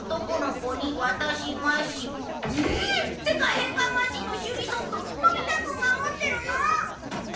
世界変換マシンの修理ソフトをのび太くんが持ってるの！？